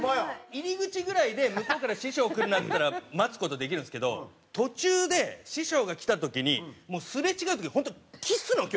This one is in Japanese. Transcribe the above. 入り口ぐらいで向こうから師匠来るなっつったら待つ事できるんですけど途中で師匠が来た時にもうすれ違う時本当キスの距離なんですよ。